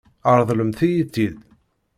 Ṛeḍlemt-iyi-tt-id.